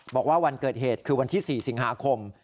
บอกว่าวันเกิดเหตุคือวันที่๔สิงหาคม